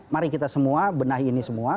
mari kita semua benahi ini semua